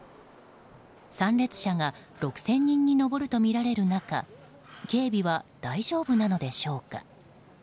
参列者が６０００人に上るとみられる中警備は大丈夫なのでしょうか。